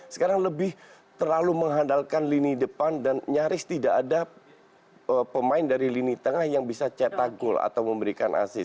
sekarang lebih terlalu mengandalkan lini depan dan nyaris tidak ada pemain dari lini tengah yang bisa cetak gol atau memberikan asis